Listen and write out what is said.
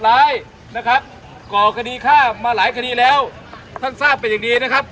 ร้ายนะครับก่อคดีฆ่ามาหลายคดีแล้วท่านทราบเป็นอย่างดีนะครับ